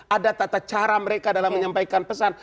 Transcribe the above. ada tata cara mereka dalam menyampaikan pesan